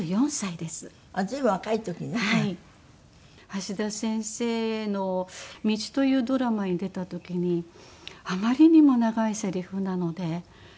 橋田先生の『道』というドラマに出た時にあまりにも長いせりふなので。